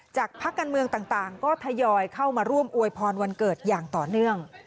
พักการเมืองต่างก็ทยอยเข้ามาร่วมอวยพรวันเกิดอย่างต่อเนื่อง